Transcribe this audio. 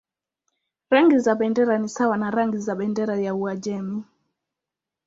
Rangi za bendera ni sawa na rangi za bendera ya Uajemi.